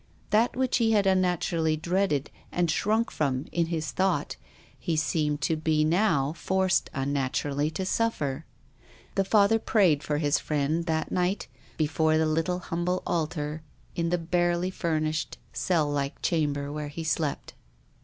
That which he had unnaturally dreaded and shrunk from in his thought he seemed to be now forced unnaturally to sufTer. The Father prayed for his friend that night before the PROFESSOR GUILDEA. 325 little, humble altar in the barely furnished, cell like chamber where he slept.